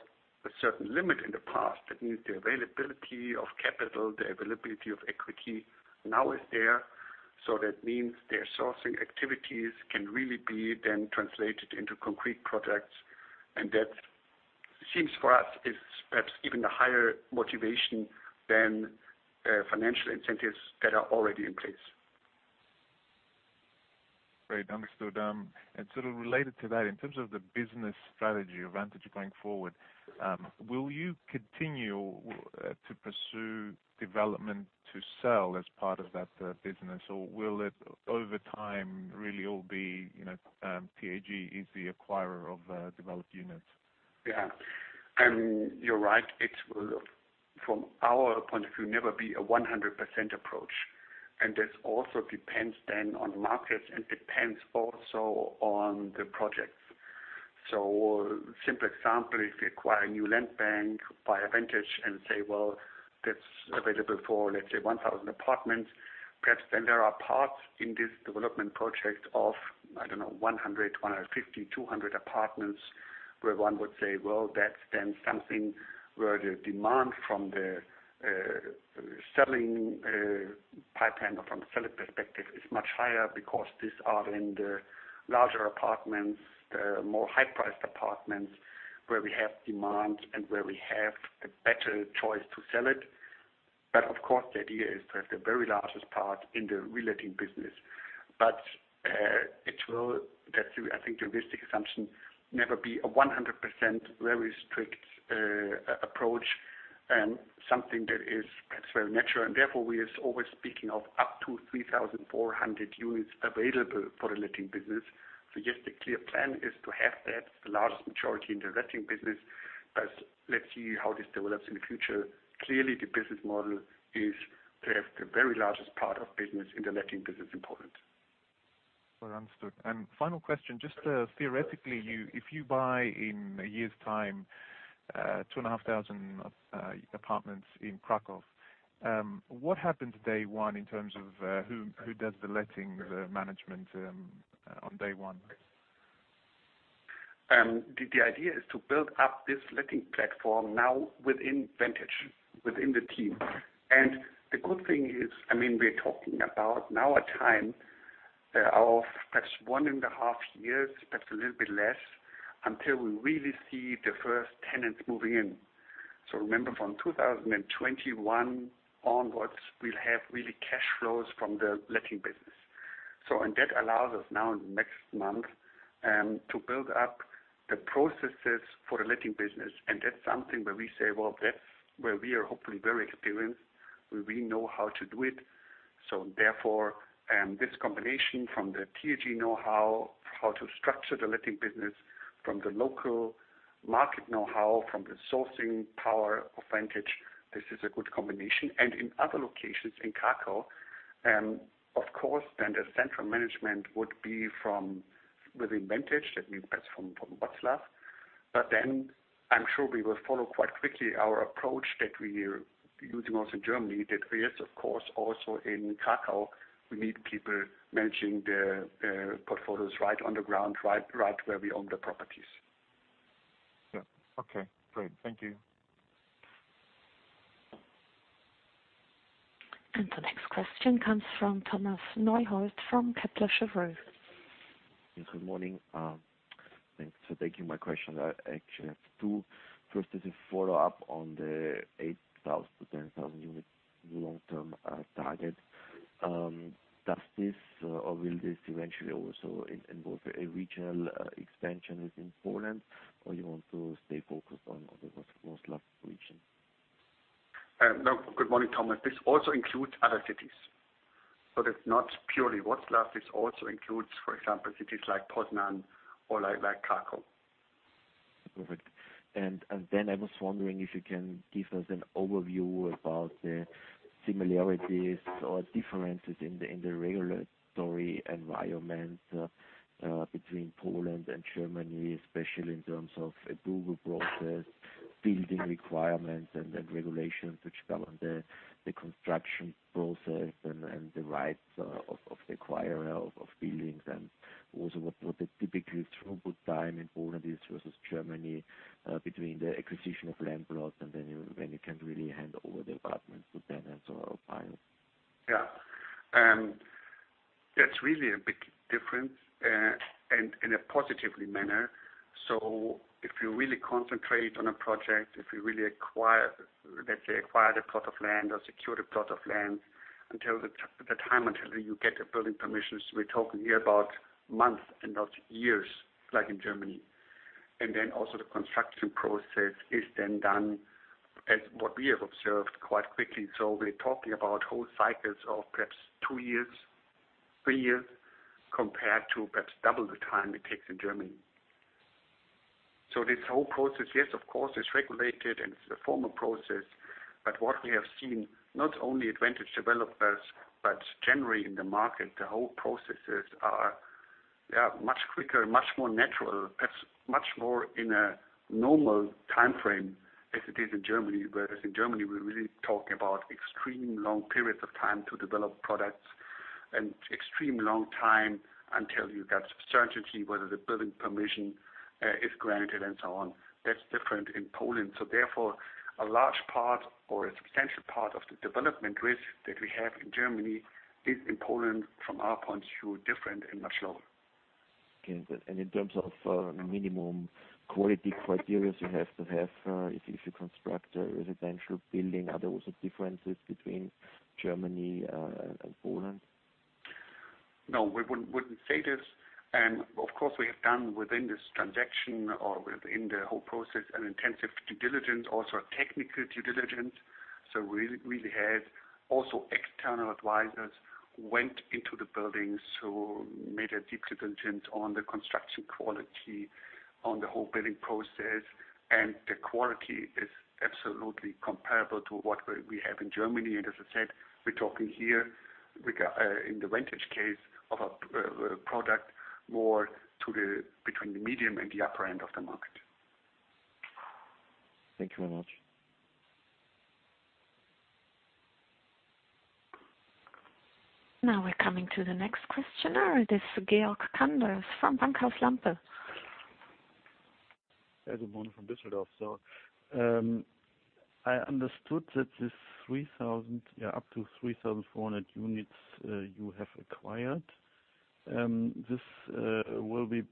a certain limit in the past, that means the availability of capital, the availability of equity now is there. That means their sourcing activities can really be then translated into concrete projects. That seems for us is perhaps even a higher motivation than financial incentives that are already in place. Great, understood. Sort of related to that, in terms of the business strategy of Vantage going forward, will you continue to pursue development to sell as part of that business? Will it, over time, really all be TAG is the acquirer of developed units? Yeah. You're right. It will, from our point of view, never be a 100% approach. This also depends then on markets and depends also on the projects. Simple example, if we acquire a new land bank via Vantage and say, well, that's available for, let's say, 1,000 apartments, perhaps then there are parts in this development project of, I don't know, 100, 150, 200 apartments where one would say, well, that's then something where the demand from the selling pipeline or from the seller perspective is much higher because these are then the larger apartments, the more high-priced apartments where we have demand and where we have a better choice to sell it. Of course, the idea is to have the very largest part in the relating business. It will, I think the realistic assumption, never be a 100% very strict approach and something that is perhaps very natural. Therefore, we are always speaking of up to 3,400 units available for the letting business. Yes, the clear plan is to have that, the largest majority in the letting business. Let's see how this develops in the future. Clearly, the business model is to have the very largest part of business in the letting business in Poland. Understood. Final question, just theoretically, if you buy in a year's time, 2,500 apartments in Kraków. What happens day one in terms of who does the letting, the management on day one? The idea is to build up this letting platform now within Vantage, within the team. The good thing is, we're talking about now a time of perhaps one and a half years, perhaps a little bit less, until we really see the first tenants moving in. Remember, from 2021 onwards, we'll have really cash flows from the letting business. That allows us now in the next month to build up the processes for the letting business. That's something where we say, "Well, that's where we are hopefully very experienced, where we know how to do it." Therefore, this combination from the TAG know-how, how to structure the letting business from the local market know-how, from the sourcing power of Vantage, this is a good combination. In other locations in Kraków, of course, then the central management would be from within Vantage, that means that's from Wroclaw. Then I'm sure we will follow quite quickly our approach that we're using also in Germany, that yes, of course, also in Kraków, we need people managing the portfolios right on the ground, right where we own the properties. Yeah. Okay, great. Thank you. The next question comes from Thomas Neuhold from Kepler Cheuvreux. Yes, good morning. Thanks. Thank you. My question, I actually have two. First is a follow-up on the 8,000 to 10,000 unit long-term target. Does this, or will this eventually also involve a regional expansion within Poland, or you want to stay focused on the Wrocław region? No. Good morning, Thomas. This also includes other cities. It's not purely Wrocław. This also includes, for example, cities like Poznań or like Kraków. Perfect. I was wondering if you can give us an overview about the similarities or differences in the regulatory environment between Poland and Germany, especially in terms of approval process, building requirements and regulations which govern the construction process and the rights of the acquirer of buildings and also what the typical throughput time in Poland is versus Germany, between the acquisition of land plots and then you can really hand over the apartments to tenants or buyers. Yeah. That's really a big difference, and in a positively manner. If you really concentrate on a project, if you really, let's say, acquire the plot of land or secure the plot of land, the time until you get the building permissions, we're talking here about months and not years like in Germany. Then also the construction process is then done, as what we have observed, quite quickly. We're talking about whole cycles of perhaps two years, three years, compared to perhaps double the time it takes in Germany. This whole process, yes, of course, it's regulated and it's a formal process. What we have seen, not only at Vantage Development, but generally in the market, the whole processes are much quicker, much more natural, much more in a normal timeframe as it is in Germany. Whereas in Germany, we really talk about extremely long periods of time to develop products and extremely long time until you get certainty whether the building permission is granted and so on. That's different in Poland. Therefore, a large part or a substantial part of the development risk that we have in Germany is in Poland, from our point of view, different and much lower. Okay. In terms of minimum quality criteria you have to have, if you construct a residential building, are there also differences between Germany and Poland? No, we wouldn't say this. Of course, we have done within this transaction or within the whole process an intensive due diligence, also a technical due diligence. We really had also external advisers who went into the buildings who made a deep diligence on the construction quality, on the whole building process. The quality is absolutely comparable to what we have in Germany. As I said, we're talking here in the Vantage case of a product more between the medium and the upper end of the market. Thank you very much. Now we're coming to the next questioner. This is Georg Kanders from Bankhaus Lampe. Yeah, good morning from Düsseldorf. I understood that this up to 3,400 units you have acquired, this will be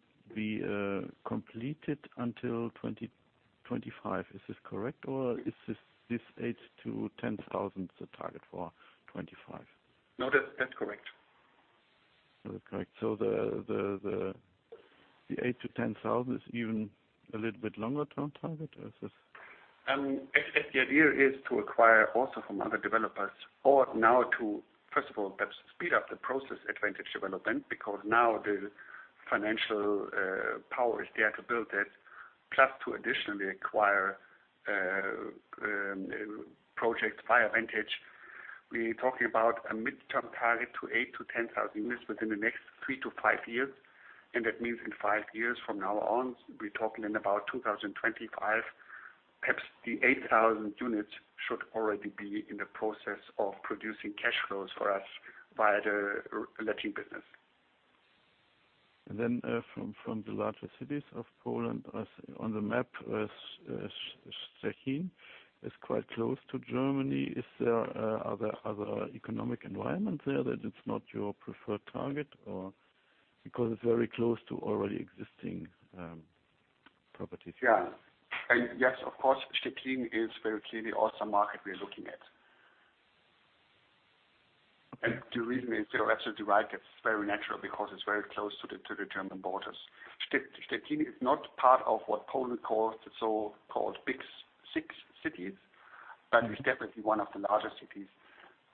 completed until 2025. Is this correct, or is this 8,000-10,000 the target for 2025? No, that's correct. That's correct. The 8,000-10,000 is even a little bit longer-term target? Is this The idea is to acquire also from other developers or now to, first of all, perhaps speed up the process at Vantage Development, because now the financial power is there to build that. Plus to additionally acquire project via Vantage. We're talking about a mid-term target to 8,000-10,000 units within the next 3-5 years, and that means in 5 years from now on, we're talking in about 2025, perhaps the 8,000 units should already be in the process of producing cash flows for us via the letting business. From the larger cities of Poland, I see on the map, Szczecin is quite close to Germany. Is there other economic environment there that it's not your preferred target, or because it's very close to already existing properties? Yeah. Yes, of course, Szczecin is very clearly also a market we are looking at. The reason is, you are absolutely right, it's very natural because it's very close to the German borders. Szczecin is not part of what Poland calls the so-called Big six cities, but it's definitely one of the larger cities.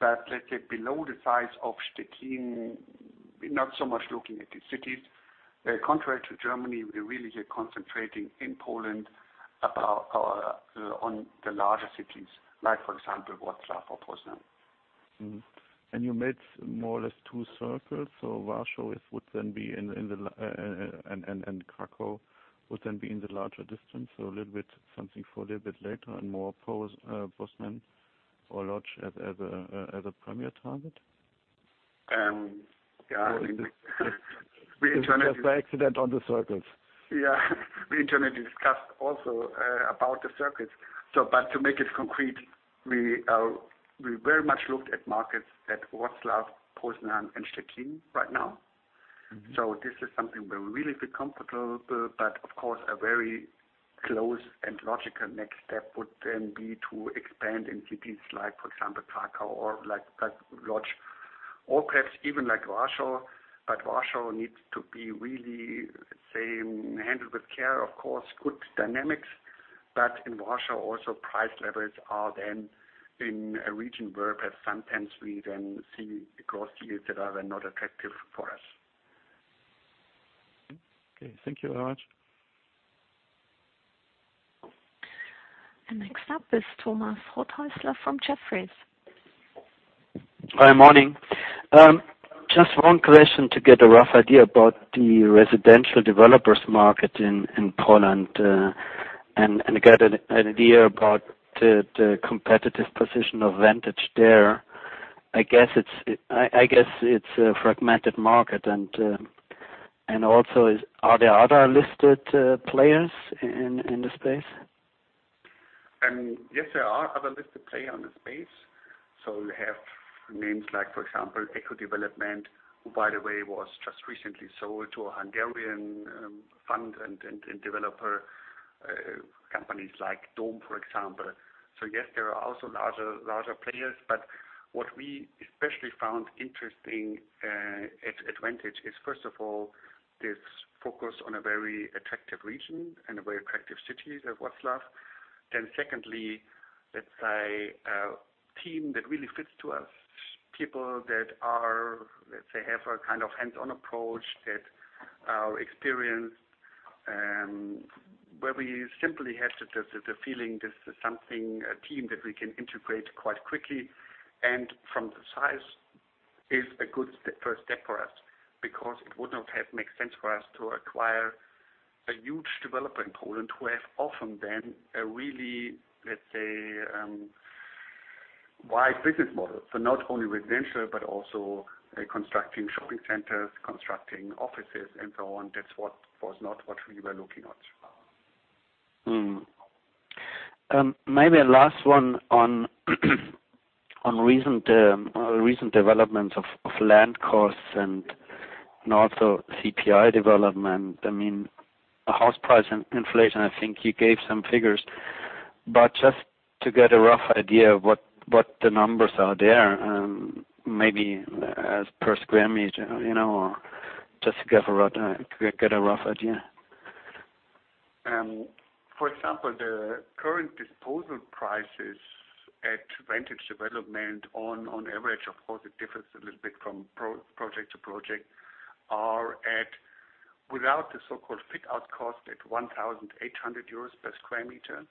Let's say below the size of Szczecin, we're not so much looking at the cities. Contrary to Germany, we're really here concentrating in Poland on the larger cities, like, for example, Wrocław or Poznań. You made more or less two circles. Warsaw and Krakow would then be in the larger distance, so a little bit something for a little bit later and more Poznan or Lodz as a premier target? Yeah. It's just by accident on the circles. Yeah. We internally discussed also about the circles. To make it concrete, we very much looked at markets like Wrocław, Poznań, and Szczecin right now. This is something where we really feel comfortable, but of course, a very close and logical next step would then be to expand in cities like, for example, Kraków or like Łódź, or perhaps even like Warsaw. Warsaw needs to be really handled with care. Of course, good dynamics, but in Warsaw also price levels are then in a region where perhaps sometimes we then see gross deals that are not attractive for us. Okay. Thank you very much. Next up is Thomas Rothaeusler from Jefferies. Hi. Morning. Just one question to get a rough idea about the residential developers market in Poland, and get an idea about the competitive position of Vantage there. I guess it's a fragmented market and also are there other listed players in the space? Yes, there are other listed players in the space. You have names like, for example, Echo Investment, who by the way, was just recently sold to a Hungarian fund, and developer companies like Dom, for example. Yes, there are also larger players, but what we especially found interesting at Vantage is, first of all, this focus on a very attractive region and a very attractive city of Wrocław. Secondly, let's say, a team that really fits to us. People that, let's say, have a kind of hands-on approach, that are experienced, where we simply have just the feeling this is a team that we can integrate quite quickly. From the size is a good first step for us, because it would not have made sense for us to acquire a huge developer in Poland who have often then a really, let's say, wide business model. Not only residential, but also constructing shopping centers, constructing offices and so on. That was not what we were looking at. Maybe a last one on recent developments of land costs and also CPI development. A house price inflation, I think you gave some figures. Just to get a rough idea of what the numbers are there, maybe as per square meter? Just to get a rough idea. For example, the current disposal prices at Vantage Development on average, of course, it differs a little bit from project to project, are at, without the so-called fit-out cost, at 1,800 euros per square meter.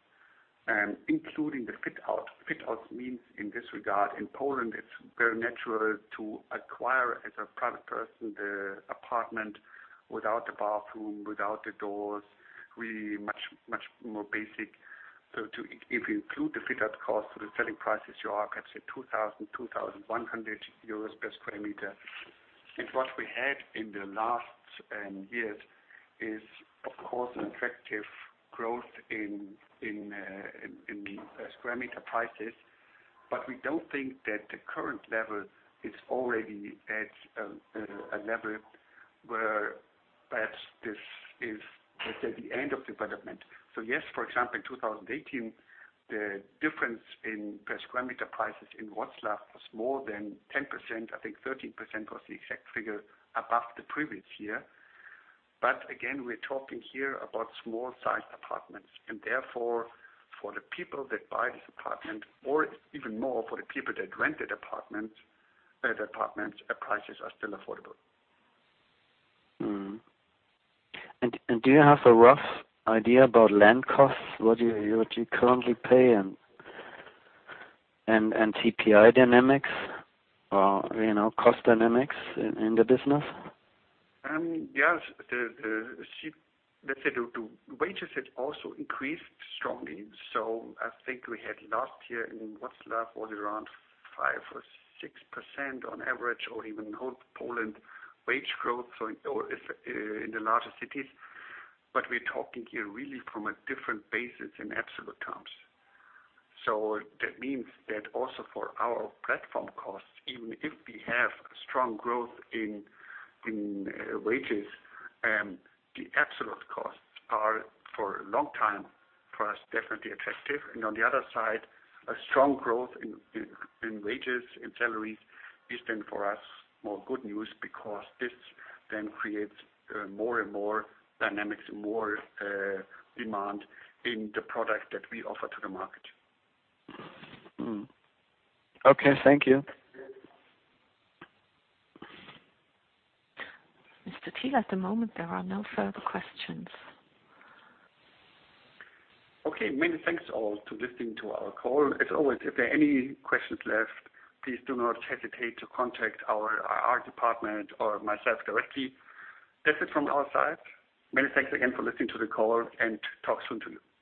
Including the fit-out. Fit-out means in this regard, in Poland, it's very natural to acquire, as a private person, the apartment without the bathroom, without the doors, really much more basic. If you include the fit-out cost to the selling prices, you are perhaps at 2,000, 2,100 euros per square meter. What we had in the last years is, of course, an attractive growth in the square meter prices. We don't think that the current level is already at a level where perhaps this is, let's say, the end of development. Yes, for example, in 2018, the difference in per square meter prices in Wrocław was more than 10%, I think 13% was the exact figure, above the previous year. Again, we're talking here about small sized apartments and therefore, for the people that buy this apartment, or even more for the people that rent the apartment, prices are still affordable. Mmh. Do you have a rough idea about land costs, what you currently pay, and CPI dynamics or cost dynamics in the business? Yes. Let's say the wages had also increased strongly. I think we had last year in Wrocław was around 5% or 6% on average, or even in whole Poland, wage growth in the larger cities. We're talking here really from a different basis in absolute terms. That means that also for our platform costs, even if we have strong growth in wages, the absolute costs are for a long time, for us, definitely attractive. On the other side, a strong growth in wages and salaries is then for us more good news because this then creates more and more dynamics and more demand in the product that we offer to the market. Okay. Thank you. Mr. Thiel, at the moment, there are no further questions. Okay. Many thanks all to listening to our call. As always, if there are any questions left, please do not hesitate to contact our IR department or myself directly. That's it from our side. Many thanks again for listening to the call, and talk soon to you.